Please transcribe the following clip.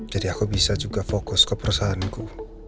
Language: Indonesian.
jadi aku bisa juga fokus ke perusahaanku